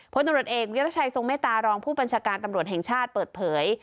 พลตำรวจเอกวิรัชัยทรงเมตตารองผู้บัญชาการตำรวจแห่งชาติเปิดเผย